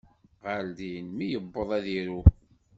Ɣer din mi yewweḍ ad iru.